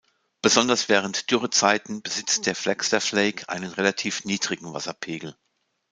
Besonders während Dürrezeiten besitzt der "Flagstaff Lake" einen relativ niedrigen Wasserpegel.